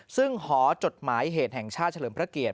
ซึ่งหอจดหมายเหตุแห่งชาติเฉลิมพระเกียรติ